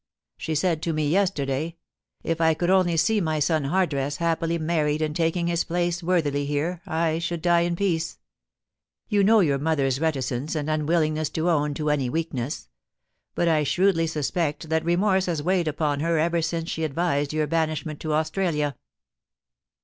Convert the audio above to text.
She said to me yesterday, " If I could only see my son Hardress happily married and taking his place worthily here, I should die in peace.' You know your mother's reticence and unwillingness to own to any weakness; but I shrewdly suspect that remorse has weighed upon her ever since she advised your banishment to Australia.'